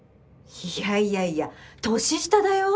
いやいやいや年下だよ。